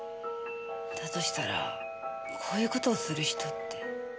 だとしたらこういう事をする人って。